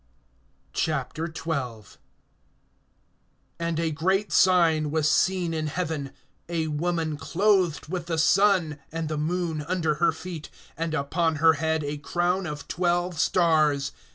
XII. AND a great sign was seen in heaven; a woman clothed with the sun, and the moon under her feet, and upon her head a crown of twelve stars.